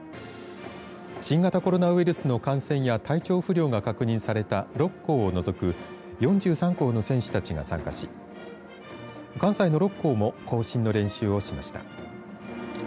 新型コロナウイルスの感染や体調不良が確認された６校を除く４３校の選手たちが参加し関西の６校も行進の練習をしました。